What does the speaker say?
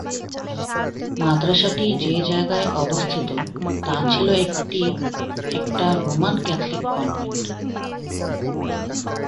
মাদ্রাসাটি যে জায়গায় অবস্থিত তা ছিল একটি একটা রোমান ক্যাথলিক কনভেন্ট।